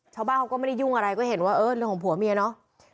ชาวบ้านเขาก็ไม่ได้ยุ่งอะไรก็เห็นว่าเออเรื่องของผัวเมียเนาะ